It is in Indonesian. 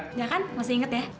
enggak kan masih inget ya